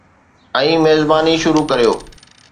۽ ميزباني شروع ڪريو.